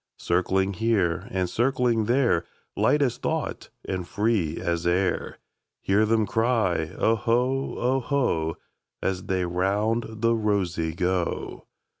Circling here and circling there, Light as thought and free as air, Hear them cry, "Oho, oho,"As they round the rosey go.